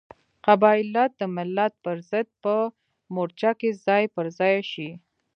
قبایلت د ملت پرضد په مورچه کې ځای پر ځای شي.